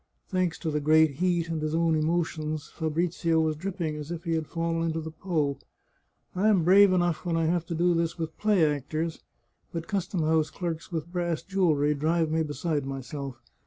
Thanks to the great heat and his own emotions, Fa brizio was dripping as if he had fallen into the Po. " I am brave enough when I have to do with play actors, but custom house clerks with brass jewellery drive me beside myself.